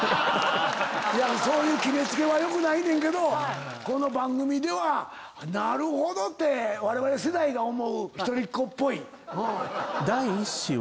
そういう決め付けは良くないねんけどこの番組ではなるほどってわれわれ世代が思う一人っ子っぽい。